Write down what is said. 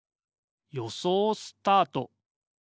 よそうスタート。